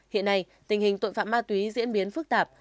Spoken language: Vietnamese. hiện nay tình hình tội phạm ma túy diễn biến phức tạp